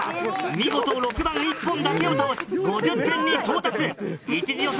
見事６番一本だけを倒し５０点に到達。